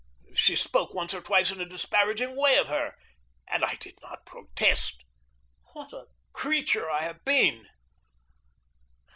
She spoke once or twice in a disparaging way of her, and I did not protest. What a creature I have been!